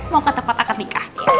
mau ke tempat akad nikah